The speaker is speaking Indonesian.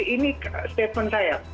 ini statement saya